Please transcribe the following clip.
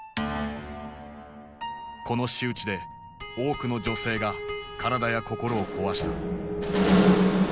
この仕打ちで多くの女性が体や心を壊した。